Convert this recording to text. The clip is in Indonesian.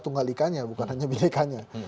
tunggal ikannya bukan hanya binekanya